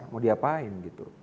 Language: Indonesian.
mau diapain gitu